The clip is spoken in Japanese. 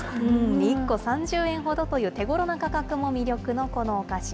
１個３０円ほどという手ごろな価格も魅力のこのお菓子。